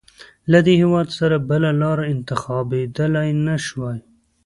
له دې هېواد سره بله لاره انتخابېدلای نه شوای.